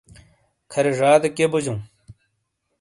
کَھرے ژادے کئیے بوجَوں؟